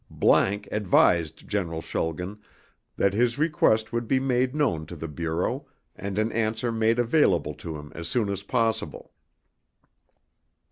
____ advised General Schulgen that his request would be made known to the Bureau and an answer made available to him as soon as possible.